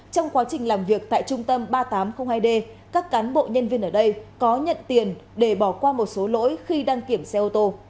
trong quá trình làm việc tại trung tâm ba nghìn tám trăm linh hai d các cán bộ nhân viên ở đây có nhận tiền để bỏ qua một số lỗi khi đăng kiểm xe ô tô